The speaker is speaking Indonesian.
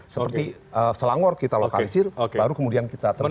seperti selangor kita lokalisir baru kemudian kita terbit